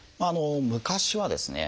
昔はですね